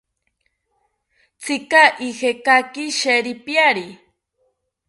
¿Tzika ijekaki sheripiari?